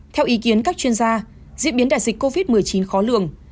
theo ý kiến các chuyên gia diễn biến đại dịch covid một mươi chín khó lường